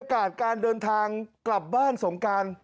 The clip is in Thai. บรรยากาศการเดินทางกลับบ้านสงการ